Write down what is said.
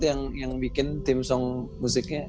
yang bikin theme song musiknya